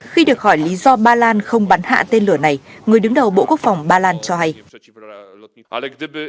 khi được hỏi lý do nga đã bắt đầu bắt đầu bắt đầu bắt đầu bắt đầu